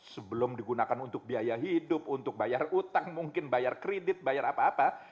sebelum digunakan untuk biaya hidup untuk bayar utang mungkin bayar kredit bayar apa apa